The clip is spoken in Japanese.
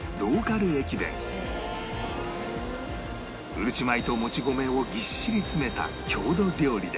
うるち米ともち米をぎっしり詰めた郷土料理で